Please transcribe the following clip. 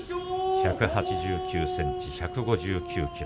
１８９ｃｍ、１５９ｋｇ